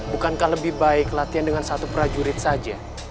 bukankah lebih baik latihan dengan satu prajurit saja